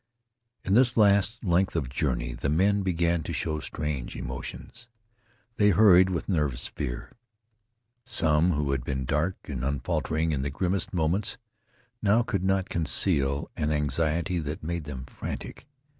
In this last length of journey the men began to show strange emotions. They hurried with nervous fear. Some who had been dark and unfaltering in the grimmest moments now could not conceal an anxiety that made them frantic.